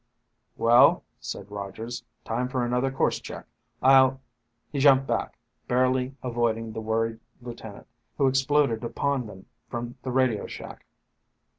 "Well," said Rogers, "time for another course check. I'll ..." He jumped back, barely avoiding the worried lieutenant who exploded upon them from the radio shack.